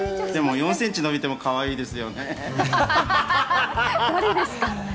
４ｃｍ伸びてもかわいいですよね。